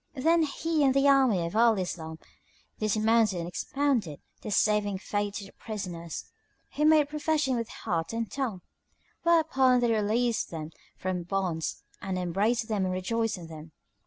Then he and the army of Al Islam dismounted and expounded The saving Faith to the prisoners, who made profession with heart and tongue; whereupon they released them from bonds and embraced them and rejoiced in them.